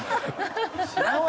知らんわ。